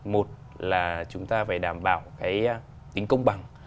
một là chúng ta phải đảm bảo cái tính công bằng